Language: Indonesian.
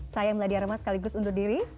saya meladya remah sekaligus undur diri